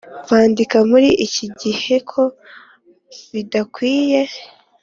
bandika muri iki gihe ko bidakwiye